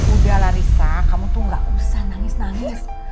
udahlah risa kamu tuh gak usah nangis nangis